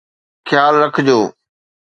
خيال رکجو